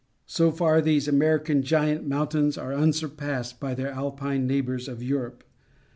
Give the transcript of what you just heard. So far these American giant mountains are unsurpassed by their Alpine neighbors of Europe.